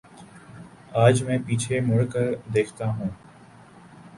آج میں پیچھے مڑ کر دیکھتا ہوں۔